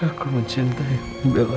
aku mencintai bella